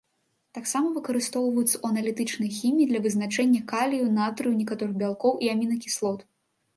Таксама выкарыстоўваецца ў аналітычнай хіміі для вызначэння калію, натрыю, некаторых бялкоў і амінакіслот.